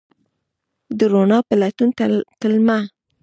د روڼا په لټون تلمه